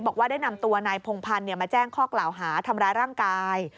บอกว่าได้นำตัวนายพงพันธ์มาแจ้งข้อกล่าวหาทำร้ายร่างกาย